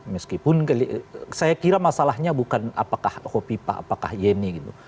meskipun saya kira masalahnya bukan apakah kopipa apakah yeni gitu